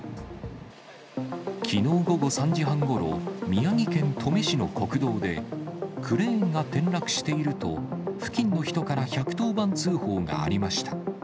きのう午後３時半ごろ、宮城県登米市の国道で、クレーンが転落していると、付近の人から１１０番通報がありました。